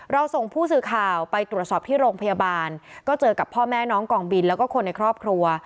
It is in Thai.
ส่งผู้สื่อข่าวไปตรวจสอบที่โรงพยาบาลก็เจอกับพ่อแม่น้องกองบินแล้วก็คนในครอบครัว